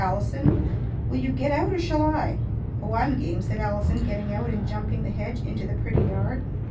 Allison, will you get out or shall I?" "Oh, I'm game," said Allison, getting out and jumping the hedge into the pretty yard.